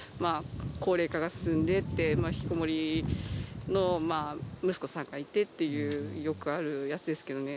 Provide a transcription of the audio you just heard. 高齢化が進んでって、引きこもりの息子さんがいてっていう、よくあるやつですけどね。